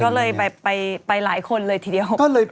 ก็เลยไปหลายคนเลยทีเดียว